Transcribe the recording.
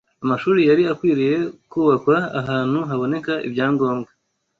Amashuri yari akwiriye kubakwa ahantu haboneka ibyangombwa